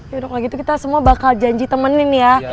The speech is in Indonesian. yaudah kalau gitu kita semua bakal janji temenin ya